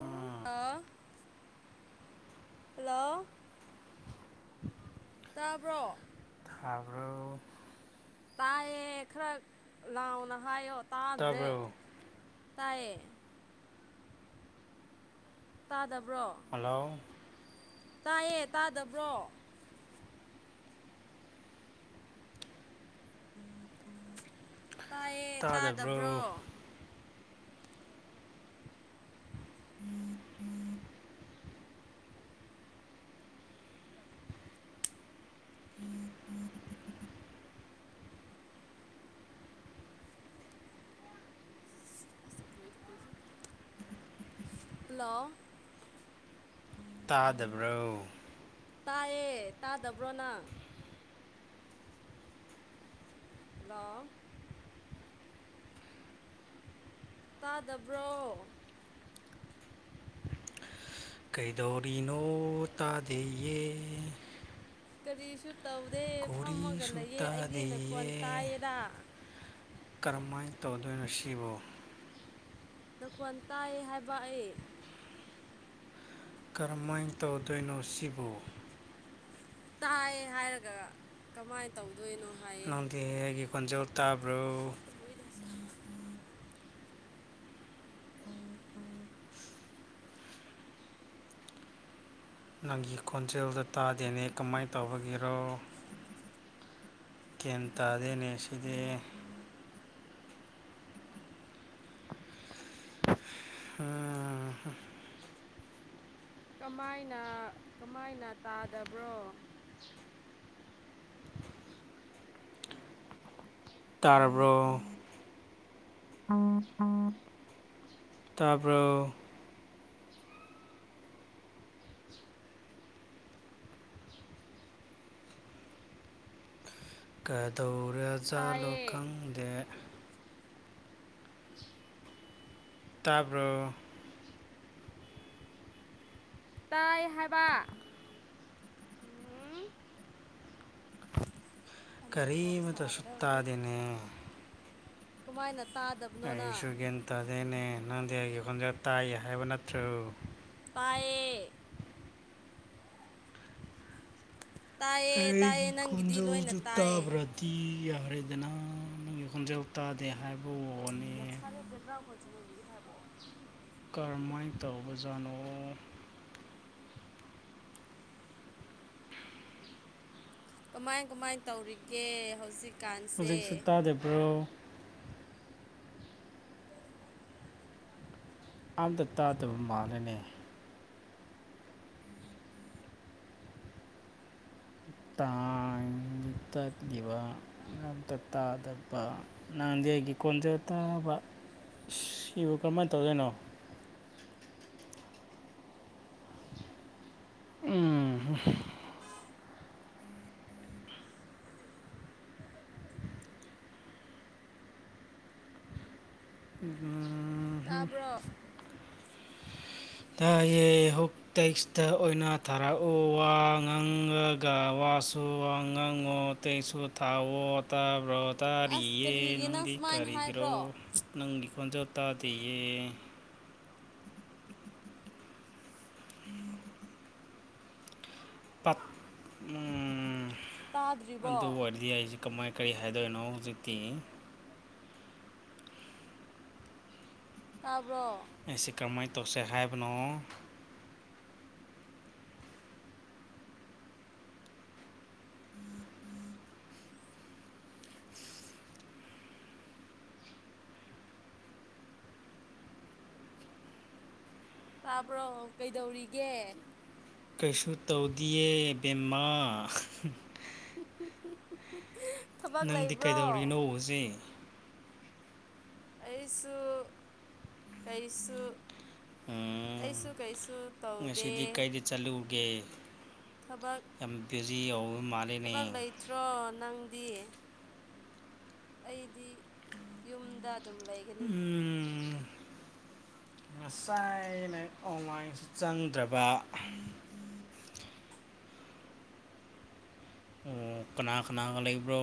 ꯑ ꯍꯜꯂꯣ ꯇꯥꯕ꯭ꯔꯣ ꯇꯥꯕ꯭ꯔꯣ ꯇꯥꯏꯌꯦ ꯈꯔ ꯂꯥꯎꯅ ꯍꯥꯏꯌꯣ ꯇꯥꯗ꯭ꯔꯦ ꯇꯥꯕ꯭ꯔꯣ ꯇꯥꯏꯌꯦ ꯇꯥꯗꯕ꯭ꯔꯣ ꯍꯜꯂꯣ ꯇꯥꯏꯌꯦ ꯇꯥꯗꯕ꯭ꯔꯣ ꯇꯥꯏꯌꯦ ꯇꯥꯗꯕ꯭ꯔꯣ ꯎꯝ ꯎꯝ [unintelligible] ꯍꯜꯂꯣ ꯇꯥꯗꯕ꯭ꯔꯣ ꯇꯥꯏꯌꯦ ꯇꯥꯗꯕ꯭ꯔꯣ ꯅꯪ ꯍꯜꯂꯣ ꯇꯥꯗꯕ꯭ꯔꯣ ꯀꯩꯗꯧꯔꯤꯅꯣ ꯇꯥꯗ‌ꯦꯌꯦ ꯀꯔꯤꯁꯨ ꯇꯧꯗꯦ ꯐꯝꯃꯒ ꯀꯣꯔꯤꯁꯨ ꯂꯩꯌꯦ ꯑꯩꯗꯤ ꯅꯈꯣꯟ ꯇꯥꯏꯌꯦꯗ ꯀꯔꯝꯃꯥꯏꯅ ꯇꯧꯗꯣꯏꯅꯣ ꯁꯤꯕꯣ ꯅꯈꯣꯟ ꯇꯥꯏ ꯍꯥꯏꯕ ꯑꯩ ꯀꯔꯝꯃꯥꯏꯅ ꯇꯧꯗꯣꯏꯅꯣ ꯁꯤꯕꯨ ꯇꯥꯏ ꯍꯥꯏꯔꯒ ꯀꯃꯥꯏꯅ ꯇꯧꯗꯣꯏꯅꯣ ꯍꯥꯏꯌꯦ ꯅꯪꯗꯤ ꯑꯩꯒꯤ ꯈꫭꯟꯖ‌ꯦꯜ ꯇꯥꯕ꯭ꯔꯣ ꯑꯣꯏꯣꯏꯗ [unintelligible] ꯐꯉ ꯐꯪ [unintelligible] ꯅꯪꯒꯤ ꯈꯣꯟꯖꯦꯜꯗꫭ ꯇꯥꯗꯦꯅꯦ ꯀꯃꯥꯏꯅ ꯇꯧꯕꯒꯤꯔꯣ ꯒꯤꯌ‌ꯦꯟꯇꯥꯗ‌ꯦꯅꯦ ꯁꯤꯗ ꯍꯥꯥ [unintelligible] [inaudible] ꯀꯃꯥꯏꯅ ꯀꯃꯥꯏꯅ ꯇꯥꯗꯕ꯭ꯔꯣ ꯇꯥꯔꯕ꯭ꯔꯣ ꯎ ꯑ [unintelligible] ꯇꯥꯕ꯭ꯔꯣ ꯀꯗꯧꯔꯖꯥꯠꯂꯣ ꯇꯥꯏꯌꯦ ꯈꯪꯗꯦ [unintelligible] ꯇꯥꯔꯕꯣ ꯇꯥꯏ ꯍꯥꯏꯕ ꯎꯝ ꯑꯂꯨ [unintelligible] ꯐꯣꯟ ꯀꯔꯤ ꯑꯃꯇꯁꯨ ꯁꯥꯕꯗ ꯑꯣꯗꯤ [unintelligible] ꯇꯥꯗꯦꯅꯦ ꯀꯃꯥꯏꯅ ꯇꯥꯗꯕ ꯑꯩꯁꯨ ꯒꯤꯌ‌ꯦꯟ ꯇꯥꯗ‌ꯦꯅꯦ ꯅꯪꯗꯤ ꯑꯩꯒꯤ ꯈꯣꯟꯖ‌ꯦꯜ ꯇꯥꯏ ꯍꯥꯏꯕ ꯅꯠꯇ꯭ꯔꯣ ꯇꯥꯏꯌꯦ ꯇꯥꯏꯌꯦ ꯑꯩꯒꯤ ꯇꯥꯏꯌꯦ ꯅꯪꯒꯤꯗꯤ ꯈꫭꯟꯖ‌ꯦꯜ ꯂꯣꯏꯅ ꯗꯨ ꯇꯥꯏꯌꯦ ꯇꯥꯕꯔꯥ ꯇꯤ ꯌꯥꯎꯔꯦꯗꯅ ꯅꯪꯒꯤ ꯈꯣꯟꯖꯦꯜ ꯇꯥꯗꯦ ꯍꯥꯏꯕ ꯋꯥꯅꯤ ꯅꯁꯔꯦ ꯕꯦꯛꯒ꯭ꯔꯥꯎꯟ ꯐꯁ ꯃꯒꯤ ꯇ ꯍꯥꯏꯕꯣ [unintelligible] ꯀꯔꯝꯃꯥꯏꯅ ꯇꯧꯕꯖꯥꯠꯅꯣ ꯀꯃꯥꯏ ꯀꯃꯥꯏ ꯇꯧꯔꯤꯒꯦ ꯍꯧꯖꯤꯛ ꯍꯧꯖꯤꯛꯁꯨ ꯇꯥꯗꯕ꯭ꯔꯣ ꯑꯝꯇ ꯇꯥꯗꯕ ꯃꯜꯂ‌ꯦꯅꯦ ꯇꯥꯡ ꯇꯂꯤꯕ ꯑꯝꯇ ꯇꯥꯗꯕ ꯅꯪꯗꯤ ꯑꯩꯒꯤ ꯈꫭꯟꯖ‌ꯦꯜ ꯇꯥꯕ ꯑꯁꯤ ꯁꯤꯕꯨ ꯀꯔꯝꯃꯥꯏꯅ ꯇꯧꯗꯣꯏꯅꯣ ꯎꯝ ꯌꯥ [unintelligible] ꯑ [unintelligible] ꯇꯥꯕ꯭ꯔꯣ ꯇꯥ ꯌꯦ ꯍꯨꯛ ꯇꯦꯛꯁꯇ ꯑꯣꯏꯅ ꯊꯥꯔꯛꯎ ꯋꯥ ꯉꯥꯡꯉꯒ ꯋꯥꯁꯨ ꯋꯥ ꯉꯥꯡꯉꯨ [unintelligible] ꯁꯨ ꯊꯥꯎꯑꯣ ꯇꯥꯕ꯭ꯔꯣ ꯑꯁ ꯇꯥꯔꯤꯌꯦ ꯀꯔꯤꯒꯤ ꯅꯪ ꯅꯪꯗꯤ ꯁꯨꯃꯥꯏꯅ ꯀꯔꯤꯒꯤꯔꯣ ꯍꯥꯏꯕ꯭ꯔꯣ ꯅꯪꯗꯤꯀꯖꯣ ꯇꯥꯗꯌꯦ ꯄ ꯎꯝ ꯇꯥꯗ꯭ꯔꯤꯕꯣ ꯑꯗꯨ ꯑꯣꯏꯔꯗꯤ ꯍꯥꯏꯁ ꯀꯃꯥꯏ ꯀꯔꯤ ꯍꯥꯏꯗꯣꯏꯅꯣ ꯍꯧꯖꯤꯛꯇꯤ ꯇꯥꯕ꯭ꯔꯣ ꯑꯦꯁꯤ ꯀꯃꯥꯏ ꯇꯧꯁꯦ ꯍꯥꯏꯕꯅꯣ ꯇꯥꯕ꯭ꯔꯣ ꯀꯩꯗꯧꯔꯤꯒꯦ ꯀꯩꯁꯨ ꯇꯧꯗꯤꯌꯦ ꯕꯦꯝꯃꯥ [unintelligible] ꯊꯕꯛ ꯅꯪꯗꯤ ꯂꯩꯕ꯭ꯔꯣ ꯀꯩꯗꯧꯔꯤꯅꯣ [unintelligible] ꯑꯩꯩꯁꯨ ꯀꯩꯁꯨ ꯑꯩꯁꯨ ꯀꯩꯁꯨ ꯇꯧꯗꯦ ꯉꯁꯤꯗꯤ ꯀꯥꯏꯗ ꯆꯠꯂꯨꯒꯦ ꯊꯕꯛ ꯌꯥꯝ ꯕꯤꯖꯤ ꯑꯣꯕ ꯃꯥꯂꯦꯅꯦ ꯇ꯭ꯔꯣ ꯅꯪꯗꯤ ꯑꯩꯗꯤ ꯌꯨꯝꯗ ꯑꯗꯨꯝ ꯂꯩ ꯎꯝ ꯉꯁꯥꯏ ꯑꯅ ꯎꯃꯥꯏ ꯆꯪꯗ꯭ꯔꯕ ꯑꯣ ꯀꯅꯥ ꯀꯅꯥꯒ ꯂꯩꯕ꯭ꯔꯣ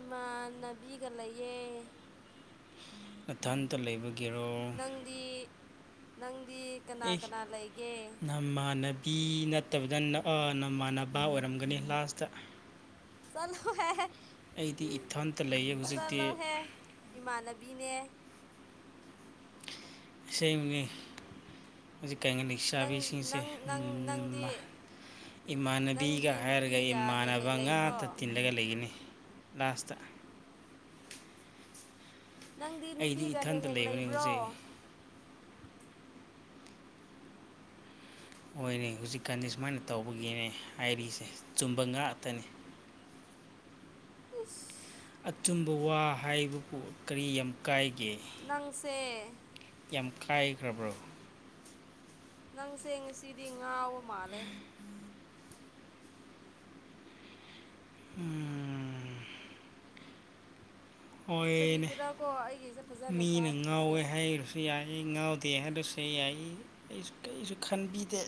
ꯏꯃꯥꯟꯅꯕꯤꯒ ꯂꯩꯌꯦ ꯅꯊꯟꯇ ꯂꯩꯕꯒꯤꯔꯣ ꯅꯪ ꯗꯤ ꯅꯪꯗꯤ ꯀꯅꯥ ꯑꯦ ꯀꯅꯥ ꯂꯩꯒꯦ ꯅꯃꯥꯟꯅꯕꯤ ꯅꯠꯇꯕꯗ ꯅꯨꯋꯥ ꯅꯃꯥꯟꯅꯕ ꯑꯣꯏꯔꯝꯒꯅꯤ ꯂꯥꯁꯇ ꯆꯂꯨ ꯍꯥꯏ ꯑꯩꯗꯤ ꯏꯊꯟꯇ ꯂꯩꯌꯦ ꯍꯧꯖꯤꯛꯇꯤ ꯏꯃꯥꯟꯅꯕꯤꯅꯦ ꯏꯁꯩꯒꯤ ꯍꯧꯖꯤꯛꯀꯒ ꯅꯪ ꯆꯥꯕꯤꯁꯤꯡꯁꯦ ꯅꯪ ꯅꯪ ꯅꯪꯗꯤ ꯏꯃꯥꯟꯅꯕꯤꯒ ꯅꯪꯗꯤ ꯍꯥꯏꯔꯒ ꯅꯨꯄꯤꯒ ꯍꯦꯛ ꯏꯃꯥꯟꯅꯕ ꯍꯦꯛ ꯂꯩꯕ꯭ꯔꯣ ꯉꯥꯛꯇ ꯇꯤꯜꯂꯒ ꯂꯩꯒꯅꯤ ꯂꯥꯁꯠꯇꯥ ꯅꯪꯗꯤ ꯑꯩꯗꯤ ꯅꯨꯄꯤꯒ ꯍꯦꯛ ꯏꯊꯟꯇ ꯍꯦꯛ ꯂꯩꯕꯅꯤ ꯂꯩꯕ꯭ꯔꯣ ꯍꯧꯖꯤꯛ ꯑꯣꯏꯔ ꯍꯧꯖꯤꯛꯀꯥꯟꯗꯤ ꯁꯨꯃꯥꯏꯅ ꯇꯧꯕꯒꯤꯅꯦ ꯍꯥꯏꯔꯤꯁꯦ ꯆꯨꯝꯕ ꯉꯥꯛꯇꯅꯤ ꯏꯁ ꯑꯆꯨꯝꯕ ꯋꯥ ꯍꯥꯏꯕꯕꯨ ꯀꯔꯤ ꯌꯥꯝ ꯀꯥꯏꯒꯦ ꯅꯪꯁꯦ ꯌꯥꯝ ꯀꯥꯏꯈ꯭ꯔꯕ꯭ꯔꯣ ꯅꯪꯁꯦ ꯉꯁꯤꯗꯤ ꯉꯥꯎꯕ ꯃꯥꯜꯂꯦ [unintelligible] ꯍꯣꯏꯅꯦ ꯀꯔꯤꯒꯤꯔꯥꯀꯣ ꯑꯩꯒꯤꯁꯦ ꯐꯖꯅ ꯃꯤꯅ ꯇꯥꯗ꯭ꯔꯤꯁꯦ ꯉꯥꯎꯋꯦ ꯍꯥꯏꯔ ꯌꯥꯏ ꯉꯥꯎꯗꯦ ꯍꯥꯏꯔꯁꯨ ꯌꯥꯏ ꯑꯩꯁꯨ ꯀꯩꯁꯨ ꯈꯟꯕꯤꯗꯦ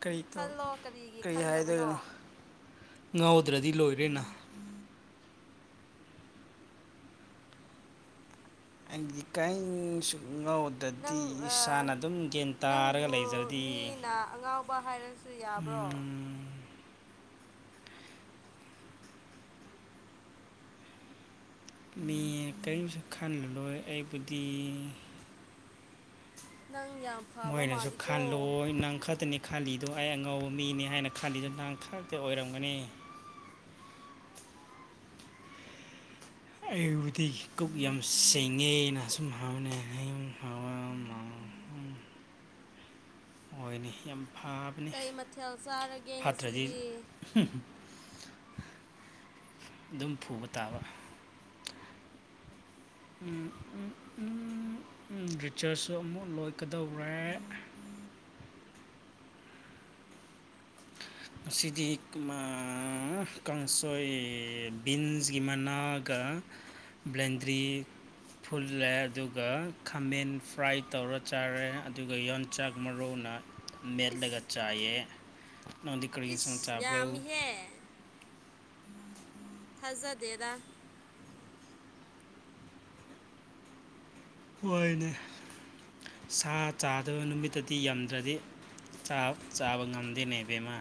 ꯀꯔꯤ ꯇꯧ ꯈꯜꯂꯣ ꯀꯔꯤꯒꯤ ꯀꯔꯤ ꯈꯟꯗꯕꯅꯣ ꯍꯥꯏꯗꯣꯏꯅꯣ ꯉꯥꯎꯗ꯭ꯔꯗꯤ ꯂꯣꯏꯔꯦꯅ ꯑꯗꯤ ꯀꯥꯏꯁꯨ [unintelligible] ꯗꯗꯤ ꯅꯪ ꯏꯁꯥꯅ ꯑꯗꯨꯝ ꯒꯟ ꯇꯥꯔꯒ ꯅꯪꯕꯨ ꯂꯩꯖꯕꯗꯤ ꯃꯤꯅ ꯑꯉꯥꯎꯕ ꯍꯥꯏꯔꯁꯨ ꯌꯥꯕ꯭ꯔꯣ ꯃꯤ ꯀꯔꯤꯝꯁꯨ ꯈꯜꯂꯔꯣꯏ ꯑꯩꯕꯨꯗꯤ ꯅꯪ ꯌꯥꯝ ꯐꯕ ꯃꯣꯏꯅꯁꯨ ꯃꯥꯜꯂꯤꯀꯣ ꯈꯜꯂꯨ ꯅꯪ ꯈꯛꯇꯅꯤ ꯈꯥꯂꯤꯗꯣ ꯑꯩ ꯑꯉꯧꯕ ꯃꯤꯅꯤ ꯍꯥꯏꯅ ꯈꯥꯂꯤꯗꯨꯣ ꯅꯥꯡ ꯈꯥꯛꯇ ꯑꯣꯏꯔꯝꯒꯅꯤ ꯑꯩꯕꯨꯗꯤ ꯀꯛ ꯌꯥꯝ ꯁꯦꯡꯉꯦꯅ ꯑꯁꯨꯝ ꯍꯥꯎꯅ [unintelligible] [inaudible] ꯑꯣꯏꯅꯤ ꯌꯥꯝ ꯐꯥ ꯀꯩ ꯃꯊꯦꯜ ꯆꯥꯔꯒꯦ ꯉꯁꯤꯗꯤ꯫ ꯑꯗꯨꯝ ꯐꯨꯕ ꯇꯥꯕ꯫ ꯒꯖꯔꯁꯨ ꯑꯃꯨꯛ ꯂꯣꯏꯀꯗꯧꯔꯦ꯫ ꯉꯁꯤꯗꯤ ꯑ ꯀꯥꯡꯁꯣꯏ ꯕꯤꯟꯁꯒꯤ ꯃꯅꯥꯛ ꯀꯥ ꯕ꯭ꯂꯦꯟꯗꯔꯤ ꯐꯨꯜꯂꯦ ꯑꯗꯨꯒ ꯈꯥꯃꯦꯟ ꯐ꯭ꯔꯥꯏ ꯇꯧꯔ ꯆꯥꯔꯦ ꯑꯗꯨꯒ ꯌꯣꯡꯆꯥꯛ ꯃꯔꯧꯅ ꯃꯦꯜꯂꯒ ꯏꯁ ꯆꯥꯌꯦ꯫ ꯏꯁ ꯌꯥꯝꯃꯤꯍꯦ꯫ [inaudible] ꯊꯥꯖꯗꯦꯗ꯫ ꯍꯣꯏꯅꯦ ꯁꯥ ꯆꯥꯗꯕ ꯅꯨꯃꯤꯠꯇꯗꯤ ꯌꯝꯗ꯭ꯔꯗꯤ꯫ ꯆꯥꯛ ꯆꯥꯕ ꯉꯝꯗꯦꯅꯦ ꯕꯦꯝꯃꯥ꯫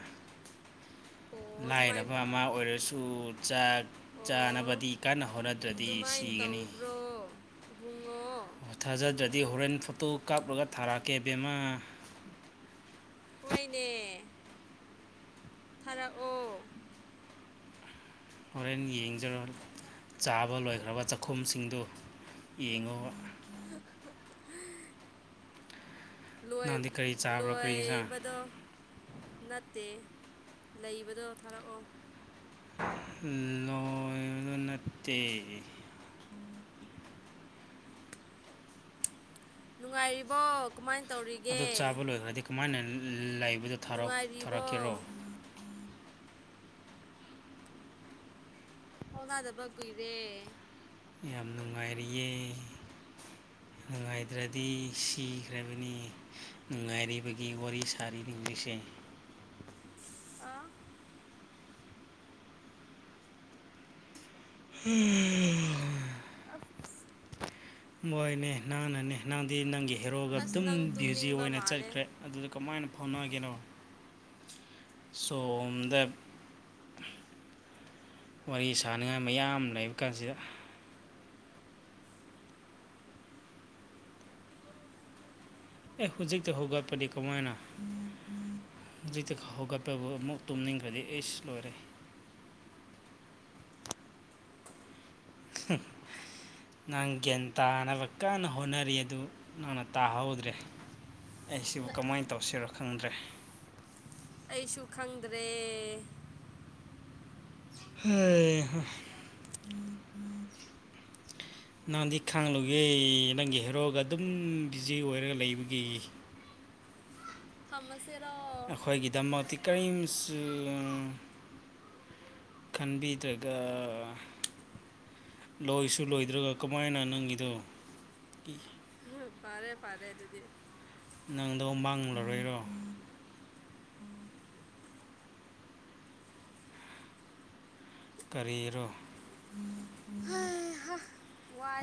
ꯑꯣ ꯂꯥꯏꯔꯕ ꯑꯗꯨꯃꯥꯏꯅ ꯑꯃ ꯑꯣꯏꯔꯁꯨ ꯆꯥꯛ ꯑꯣ ꯆꯥꯅꯕꯗꯤ ꯀꯟꯅ ꯍꯣꯠꯅꯗ꯭ꯔꯗꯤ ꯑꯗꯨꯃꯥꯏꯅ ꯁꯤꯒꯅꯤ꯫ ꯇꯧꯕ꯭ꯔꯣ ꯏꯕꯨꯡꯉꯣ꯫ ꯊꯥꯖꯗ꯭ꯔꯗꯤ ꯍꯣꯔꯦꯟ ꯐꯣꯇꯣ ꯀꯥꯞꯂꯒ ꯊꯥꯔꯛꯀꯦ ꯕꯦꯝꯃꯥ꯫ ꯍꯣꯏꯅꯦ꯫ ꯊꯥꯔꯛꯑꯣ꯫ ꯍꯣꯔꯦꯟ ꯌꯦꯡꯖꯔꯣ ꯆꯥꯕ ꯂꯣꯏꯈ꯭ꯔꯕ ꯆꯈꯣꯝꯁꯤꯡꯗꯨ ꯌꯦꯡꯉꯣ꯫ [inaudible] ꯂꯣꯏ ꯅꯪꯗꯤ ꯀꯔꯤ ꯆꯥꯕ꯭ꯔꯣ ꯀꯔꯤ ꯑꯦꯟꯁꯥꯡ ꯂꯣꯏꯕꯗꯣ꯫ ꯅꯠꯇꯦ ꯂꯩꯕꯗꯣ ꯊꯥꯔꯛꯑꯣ꯫ ꯂꯣꯏꯕ ꯅꯠꯇꯦ꯫ ꯎꯝ꯫ ꯅꯨꯡꯉꯥꯏꯔꯤꯕꯣ꯫ ꯀꯃꯥꯏꯅ ꯇꯧꯔꯤ ꯑꯗꯣ ꯆꯥꯕ ꯂꯣꯏꯈ꯭ꯔꯗꯤ ꯀꯃꯥꯏꯅ ꯂꯩꯕꯗꯣ ꯅꯨꯡꯉꯥꯏꯔꯤꯕꯣ ꯊꯥꯔꯛꯀꯦꯔꯣ꯫ ꯍꯧꯅꯗꯕ ꯀꯨꯏꯔꯦ꯫ ꯌꯥꯝ ꯅꯨꯡꯉꯥꯏꯔꯤꯌꯦ꯫ [inaudible] ꯅꯨꯡꯉꯥꯏꯗ꯭ꯔꯗꯤ ꯁꯤꯈ꯭ꯔꯕꯅꯤ ꯅꯨꯡꯉꯥꯏꯔꯤꯕꯒꯤ ꯋꯥꯔꯤ ꯁꯥꯔꯤꯅꯤ ꯍꯧꯖꯤꯛꯁꯦ꯫ ꯑꯥ꯫ [inaudible] ꯑꯁ ꯃꯣꯏꯅꯦ ꯅꯪꯅꯅꯦ ꯅꯪꯗꯤ ꯅꯪꯒꯤ ꯍꯦꯔꯣꯒ ꯑꯁ ꯑꯗꯨꯝ ꯅꯪ ꯕ꯭ꯌꯨꯖꯤ ꯇꯨꯝꯅꯤꯡꯕ ꯑꯣꯏꯅ ꯃꯥꯜꯂꯦ ꯆꯠꯈ꯭ꯔꯦ꯫ ꯑꯗꯨꯗ ꯀꯃꯥꯏꯅ ꯐꯥꯎꯅꯒꯦꯅꯣ꯫ [inaudible] ꯁꯣꯝꯗ ꯋꯥꯔꯤ ꯁꯥꯟꯅꯤꯉꯥꯏ ꯃꯌꯥꯝ ꯂꯩꯕ ꯀꯥꯟꯁꯤꯗ꯫ ꯑꯦ ꯍꯧꯖꯤꯛꯇꯤ ꯍꯧꯒꯠꯄꯅꯤ ꯀꯃꯥꯏꯅ꯫ ꯍꯧꯖꯤꯛꯇ ꯍꯧꯒꯠꯄꯕꯨ ꯑꯃꯨꯛ ꯇꯨꯝꯅꯤꯡꯈ꯭ꯔꯗꯤ ꯑꯩꯁ ꯂꯣꯏꯔꯦ꯫ [inaudible] ꯅꯪ ꯒ꯭ꯌꯥꯟ ꯇꯥꯅꯕ ꯀꯟꯅ ꯍꯣꯠꯅꯔꯤ ꯑꯗꯨ ꯅꯪꯅ ꯇꯥꯍꯧꯗ꯭ꯔꯦ꯫ ꯑꯩꯁꯤꯕꯨ ꯀꯃꯥꯏꯅ ꯇꯧꯁꯤꯔꯣ ꯈꯪꯗ꯭ꯔꯦ꯫ ꯑꯩꯁꯨ ꯈꯪꯗ꯭ꯔꯦ꯫ ꯍꯩ ꯍꯥ [inaudible] ꯅꯪꯗꯤ ꯈꯥꯡꯂꯨꯒꯦ ꯅꯪꯒꯤ ꯍꯦꯔꯣꯒ ꯑꯗꯨꯝ ꯕꯤꯖꯤ ꯑꯣꯏꯔꯒ ꯂꯩꯕꯒꯤ꯫ ꯊꯝꯃꯁꯤꯔꯣ꯫ ꯑꯩꯈꯣꯏꯒꯤꯗꯃꯛꯇꯤ ꯀꯔꯤꯝꯁꯨ ꯈꯟꯕꯤꯗ꯭ꯔꯒ ꯂꯣꯏꯁꯨ ꯂꯣꯏꯗ꯭ꯔꯒ ꯀꯃꯥꯏꯅ ꯅꯪꯒꯤꯗꯣ ꯐꯔꯦ ꯐꯥꯔꯦ ꯑꯗꯨꯗꯤ ꯅꯪꯗꯣ ꯃꯥꯡꯂꯔꯣꯏꯔꯣ ꯑ ꯀꯔꯤꯔꯣ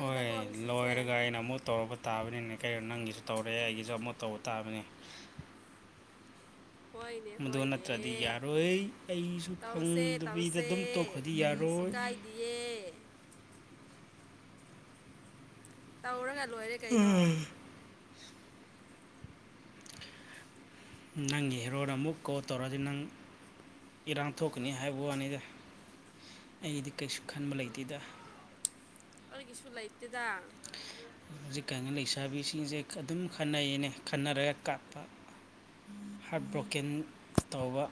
ꯍꯣꯏ ꯉꯁꯤꯁꯦ ꯂꯣꯏꯔꯒ ꯑꯩꯅ ꯑꯃꯨꯛ ꯇꯧꯔꯛꯄ ꯇꯥꯕꯅꯤꯅꯦ ꯀꯩꯅꯣ ꯅꯪꯒꯤꯁꯨ ꯇꯧꯔꯦ ꯑꯩꯒꯤꯁꯨ ꯑꯃꯣꯠ ꯇꯧꯕ ꯇꯥꯕꯅꯤ ꯍꯣꯏꯅꯦ ꯃꯗꯨ ꯅꯠꯇ꯭ꯔꯗꯤ ꯍꯣꯏꯅꯦ ꯌꯥꯔꯣꯏ ꯑꯩꯁꯨ ꯇꯧꯁꯦ ꯐꯪꯗꯕꯤꯗ ꯇꯧꯁꯦ ꯑꯗꯨꯝ ꯇꯣꯛꯈ꯭ꯔꯗꯤ ꯀꯔꯤꯁꯨ ꯌꯥꯔꯣꯏ ꯀꯥꯏꯗꯦ ꯌꯦ ꯇꯧꯔꯒ ꯂꯣꯏꯔꯦ ꯀꯩꯅꯣ꯫ ꯅꯪꯒꯤ ꯍꯦꯔꯣꯅ ꯑꯃꯨꯛ ꯀꯣꯜ ꯇꯧꯔꯗꯤ ꯅꯪ ꯏꯔꯥꯡ ꯊꯣꯛꯀꯅꯤ ꯍꯥꯏꯕ ꯋꯥꯅꯤꯗ꯫ ꯑꯩꯗꯤ ꯀꯩꯁꯨ ꯈꯟꯕ ꯂꯩꯇꯦꯗ ꯑꯩꯒꯤꯁꯨ ꯂꯩꯇꯦꯗ ꯍꯧꯖꯤꯛꯀꯥꯟꯅ ꯂꯩꯁꯥꯕꯤꯁꯤꯡꯁꯦ ꯑꯗꯨꯝ ꯈꯟꯅꯩꯌꯦꯅꯦ ꯈꯟꯅꯔꯒ ꯀꯥꯞꯄ ꯍꯥꯔꯠ ꯕ꯭ꯔꯣꯀꯦꯟ ꯇꯧꯕ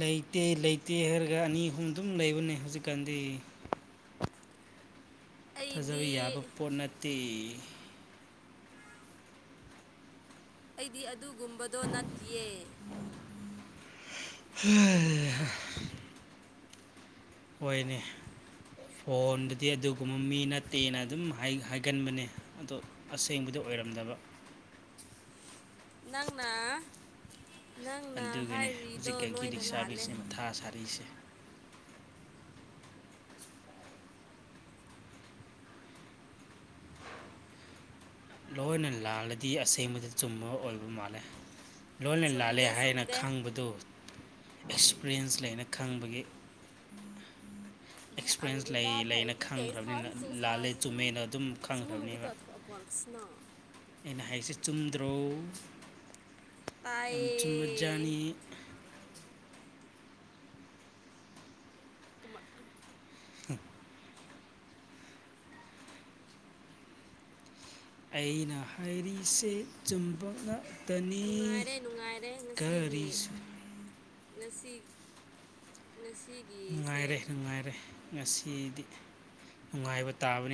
ꯂꯩꯇꯦ ꯂꯩꯇꯦ ꯍꯥꯏꯔꯒ ꯑꯅꯤ ꯑꯍꯨꯝ ꯑꯗꯨꯝ ꯂꯩꯕꯅꯦ ꯍꯧꯖꯤꯛꯀꯥꯟꯗꯤ꯫ ꯊꯥꯖꯕ ꯑꯩꯗꯤ ꯌꯥꯕ ꯄꯣꯠ ꯅꯠꯇꯦ ꯑꯩꯗꯤ ꯑꯗꯨꯒꯨꯝꯕꯗꯣ ꯅꯠꯇꯦ꯫ ꯍꯩꯩꯍ ꯍꯣꯏꯅꯦ꯫ ꯐꯣꯟꯕꯨꯗꯤ ꯑꯗꯨꯒꯨꯝꯕ ꯃꯤ ꯅꯠꯇꯦꯅ ꯑꯗꯨꯝ ꯍꯥꯏꯒꯟꯕꯅꯦ ꯑꯗꯣ ꯑꯁꯦꯡꯕꯗ ꯑꯣꯏꯔꯝꯗꯕ ꯅꯪꯅ ꯅꯪꯅ ꯍꯥꯏꯔꯤꯗꯣ ꯂꯣꯏꯅ ꯂꯥꯜꯂꯦ ꯊꯥ ꯁꯥꯔꯤꯁꯦ ꯂꯣꯏꯅ ꯂꯥꯜꯂꯗꯤ ꯑꯁꯦꯡꯕꯗ ꯆꯨꯝꯕ ꯑꯣꯏꯕ ꯃꯥꯜꯂꯦ ꯂꯣꯟꯅ ꯂꯥꯜꯂꯦ ꯆꯨꯝꯗꯦ ꯍꯥꯏꯅ ꯆꯨꯝꯗꯦ ꯈꯪꯕꯗꯨ ꯑꯦꯛꯁꯄꯔꯤꯌꯦꯟꯁ ꯂꯩꯅ ꯈꯪꯕꯒꯤ ꯑꯦꯛꯁꯄꯔꯌꯦꯦꯟꯁ ꯂꯩ ꯂꯩꯅ ꯑꯗꯤ ꯇꯦꯛꯁ ꯈꯪꯈ꯭ꯔꯕꯅꯤꯅ ꯊꯥꯁꯨ ꯆꯨ ꯂꯥꯜꯂꯦ ꯆꯨꯝꯃꯦꯅ ꯑꯗꯨꯝ ꯈꯪꯈ꯭ꯔꯕꯅꯦꯕ ꯋꯥꯜꯁꯤꯅ ꯑꯩꯅ ꯍꯥꯏꯔꯤꯁ ꯆꯨꯝꯗ꯭ꯔꯣ ꯌꯥꯝ ꯆꯨꯝꯕ ꯖꯥꯅꯤ ꯇꯥꯏꯌꯦ ꯀꯃꯥꯢ ꯫ ꯎꯝ ꯑꯩꯅ ꯍꯥꯏꯔꯤꯁꯦ ꯆꯨꯝꯕꯅ ꯅꯨꯡꯉꯥꯏꯔꯦ ꯅꯨꯡꯉꯥꯏꯔꯦ ꯉꯁꯤꯒꯤ ꯀꯔꯤꯁꯨ ꯉꯁꯤ ꯉꯁꯤ ꯅꯨꯡꯉꯥꯏꯔꯦ ꯅꯨꯡꯉꯥꯏꯔꯦ ꯉꯁꯤꯗꯤ ꯅꯨꯡꯉꯥꯏꯕ ꯇꯥꯕꯅꯤ